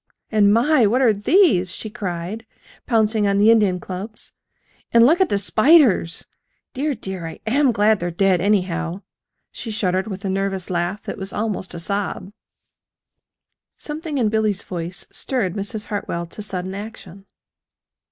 And, my! what are these?" she cried, pouncing on the Indian clubs. "And look at the spiders! Dear, dear, I AM glad they're dead, anyhow," she shuddered with a nervous laugh that was almost a sob. Something in Billy's voice stirred Mrs. Hartwell to sudden action.